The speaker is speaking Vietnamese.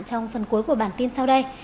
trong phần cuối của bản tin sau đây